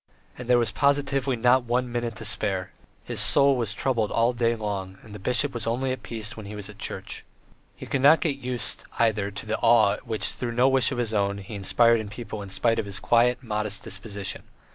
And there was positively not one minute to spare; his soul was troubled all day long, and the bishop was only at peace when he was in church. He could not get used, either, to the awe which, through no wish of his own, he inspired in people in spite of his quiet, modest disposition.